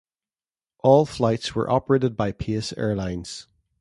All flights were operated by Pace Airlines.